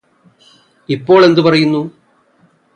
ഇപ്പോൾ എന്ത് പറയുന്നു